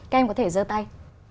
các em có thể dơ tay